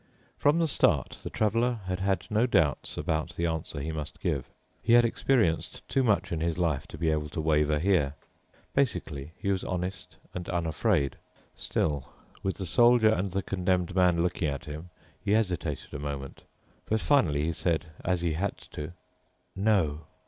From the start the Traveler had had no doubts about the answer he must give. He had experienced too much in his life to be able to waver here. Basically he was honest and unafraid. Still, with the Soldier and the Condemned Man looking at him, he hesitated a moment. But finally he said, as he had to, "No."